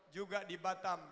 juga di batam